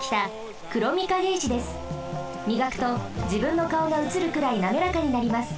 みがくとじぶんのかおがうつるくらいなめらかになります。